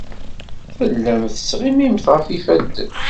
Tellamt tettɣimimt ɣef yifadden.